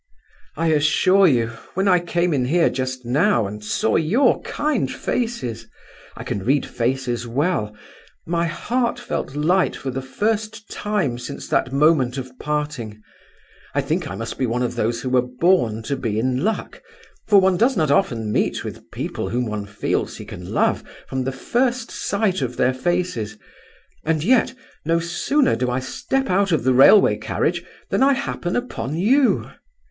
"I assure you, when I came in here just now and saw your kind faces (I can read faces well) my heart felt light for the first time since that moment of parting. I think I must be one of those who are born to be in luck, for one does not often meet with people whom one feels he can love from the first sight of their faces; and yet, no sooner do I step out of the railway carriage than I happen upon you!